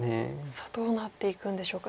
さあどうなっていくんでしょうか。